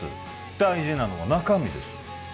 大事なのは中身です